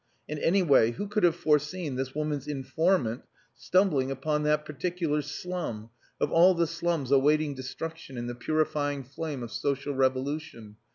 And, anyway, who could have foreseen this woman's "informant" stumbling upon that particular slum, of all the slums awaiting destruction in the purifying flame of social revolution?